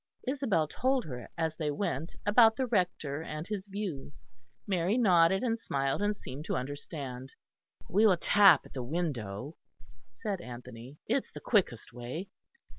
Isabel told her as they went about the Rector and his views. Mary nodded and smiled and seemed to understand. "We will tap at the window," said Anthony, "it is the quickest way."